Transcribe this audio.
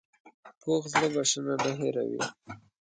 پوخ زړه بښنه نه هېروي